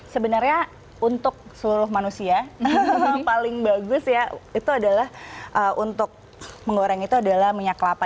sebenarnya untuk seluruh manusia paling bagus ya itu adalah untuk menggoreng itu adalah minyak kelapa